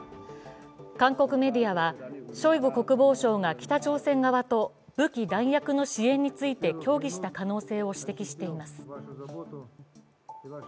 韓国メディアはショイグ国防相が北朝鮮側と武器弾薬の支援について協議した可能性を指摘しています。